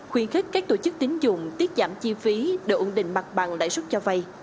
khuyến khích các tổ chức tín dụng tiết giảm chi phí để ổn định mặt bằng lãi suất cho vay